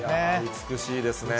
美しいです。